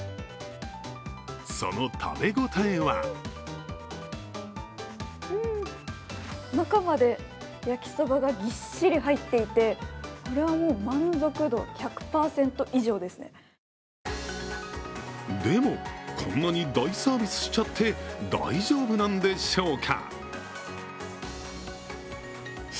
その食べ応えは中まで焼きそばがずっしり入っていてこれはもう満足度１００％以上ですねでも、こんなに大サービスしちゃって大丈夫なんでしょうか。